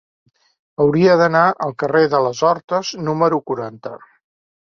Hauria d'anar al carrer de les Hortes número quaranta.